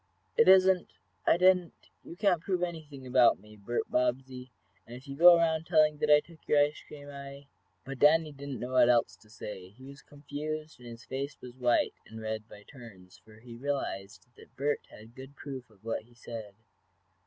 "It isn't I didn't you can't prove anything about me, Bert Bobbsey, and if you go around telling that I took your ice cream, I " But Danny did not know what else to say. He was confused and his face was white and red by turns, for he realized that Bert had good proof of what he said.